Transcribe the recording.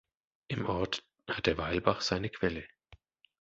Im Ort hat der Weilbach seine Quelle.